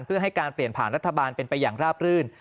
เพื่อให้การเปลี่ยนผ่านรัฐบาลเป็นไปอย่างราบรื่น